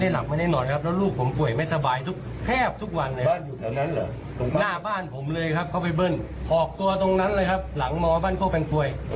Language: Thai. มีการไม่มันไม่ไม่เคยมีปัญหาไม่เคยมีเรื่องบาดหมัง